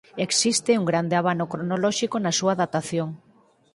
Existe un grande abano cronolóxico na súa datación.